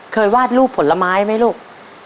เคยวาดลูกผลไม้ไหมลูก